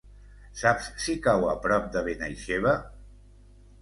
Saps si cau a prop de Benaixeve?